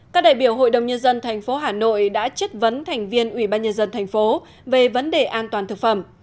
các đại biểu hội đồng nhân dân tp hà nội đã chất vấn thành viên ủy ban nhân dân thành phố về vấn đề an toàn thực phẩm